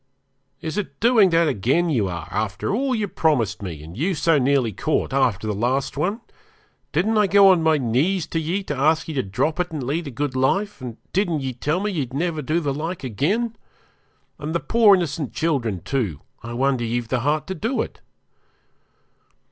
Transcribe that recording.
'Is it doing that again you are, after all you promised me, and you so nearly caught after the last one? Didn't I go on my knees to ye to ask ye to drop it and lead a good life, and didn't ye tell me ye'd never do the like again? And the poor innocent children, too, I wonder ye've the heart to do it.'